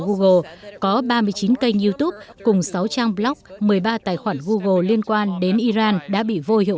google có ba mươi chín kênh youtube cùng sáu trang blog một mươi ba tài khoản google liên quan đến iran đã bị vô hiệu